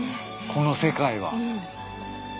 この世界は。